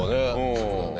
そうだね。